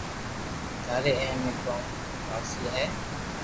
ٿارو اي مي ڪوم ڪاائہ ھي